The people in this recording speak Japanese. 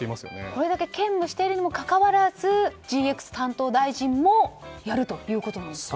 これだけ兼務しているにもかかわらずＧＸ担当大臣もやるということなんですか。